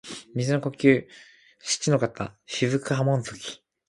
水の呼吸漆ノ型雫波紋突き（しちのかたしずくはもんづき）